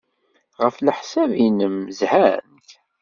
Ɣef leḥsab-nnem, zhant?